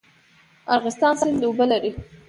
ارغستان سیند اوبه لري؟